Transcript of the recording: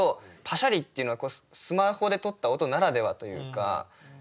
「パシャリ」っていうのはスマホで撮った音ならではというか。